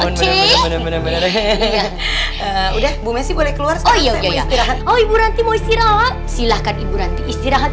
udah bu messi boleh keluar oh iya ya retro autoran tim graz silakan iburanti istirahat